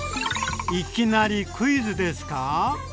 いきなりクイズですか？